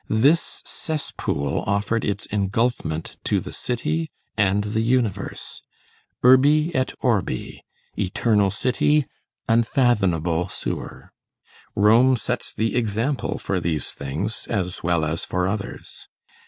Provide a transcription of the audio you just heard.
This cesspool offered its engulfment to the city and the universe. Urbi et orbi. Eternal city, unfathomable sewer. Rome sets the example for these things as well as for others.